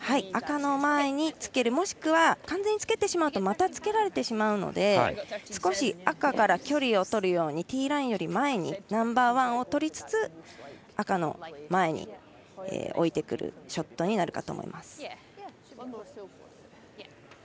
赤の前につけるもしくは、完全につけるとまたつけられてしまうので少し赤から距離をとるようにティーラインより前にナンバーワンをとりつつ赤の前に置いてくるショットになるかと思います。